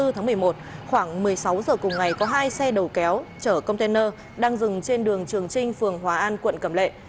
hai mươi tháng một mươi một khoảng một mươi sáu giờ cùng ngày có hai xe đầu kéo chở container đang dừng trên đường trường trinh phường hòa an quận cầm lệ